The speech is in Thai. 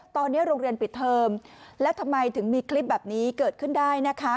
ตอนนี้โรงเรียนปิดเทอมแล้วทำไมถึงมีคลิปแบบนี้เกิดขึ้นได้นะคะ